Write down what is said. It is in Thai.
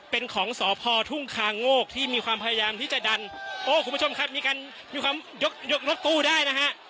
เป็นของสพทุ่งคาโงกที่มีความพยายามที่จะดันโอ้คุณผู้ชมครับมีการมีความยกยกรถตู้ได้นะฮะ